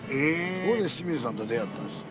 そこで清水さんと出会ったんですよ。